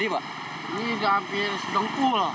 ini bisa sampai segitu